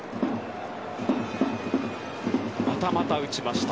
またまた打ちました。